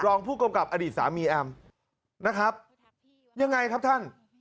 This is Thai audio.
รองผู้กำกับอดีตสามีแอมนะครับยังไงครับท่าน